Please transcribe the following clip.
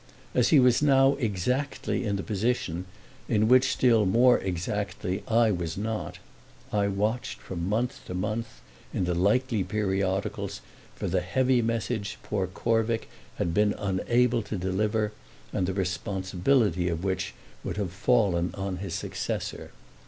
As he was now exactly in the position in which still more exactly I was not I watched from month to month, in the likely periodicals, for the heavy message poor Corvick had been unable to deliver and the responsibility of which would have fallen on his successor.